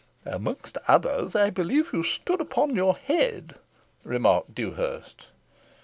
"Amongst others, I believe you stood upon your head," remarked Dewhurst.